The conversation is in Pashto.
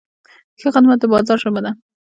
ښه خدمت د بازار ژبه ده.